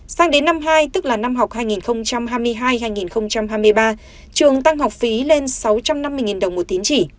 sang đến năm hai tức là năm học hai nghìn hai mươi hai hai nghìn hai mươi ba trường tăng học phí lên sáu trăm năm mươi đồng một tín chỉ